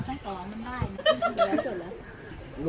เข็ด